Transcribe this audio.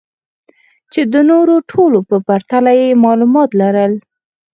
چې د نورو ټولو په پرتله يې معلومات لرل.